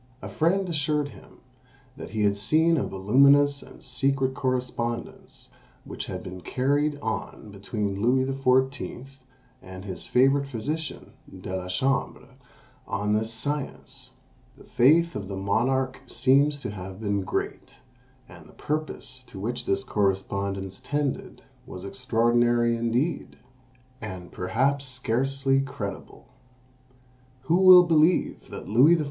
A friend assured him that he had seen a voluminous and secret correspondence which had been carried on between Louis XIV. and his favourite physician, De la Chambre, on this science. The faith of the monarch seems to have been great, and the purpose to which this correspondence tended was extraordinary indeed, and perhaps scarcely credible. Who will believe that Louis XIV.